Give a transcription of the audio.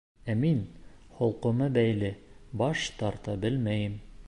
Ә мин, холҡома бәйле, баш тарта белмәйем.